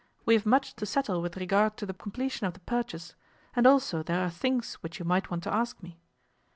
We have much to settle with regard to the completion of the purchase, and also there are things which you might want to ask me.